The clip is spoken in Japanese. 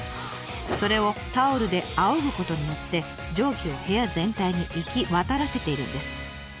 それをタオルであおぐことによって蒸気を部屋全体に行き渡らせているんです。